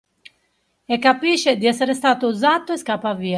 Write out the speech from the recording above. E capisce di essere stato usato e scappa via